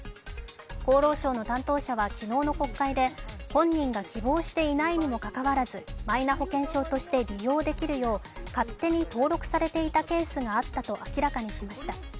厚労省の担当者は昨日の国会で本人が希望していないにもかかわらずマイナ保険証として利用できるよう勝手に登録されていたケースがあったと明らかにしました。